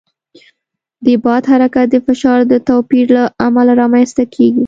د باد حرکت د فشار د توپیر له امله رامنځته کېږي.